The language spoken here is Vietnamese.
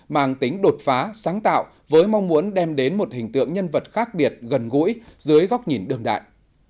mang tính đột phá sáng tạo với mong muốn đem đến một hình tượng nhân vật khác biệt gần gũi dưới góc nhìn đường đại